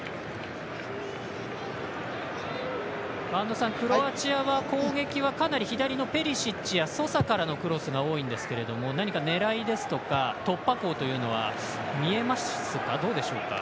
播戸さん、クロアチアは攻撃はかなり左のペリシッチやソサから多いんですけども何か狙いですとか突破口というのは見えますか？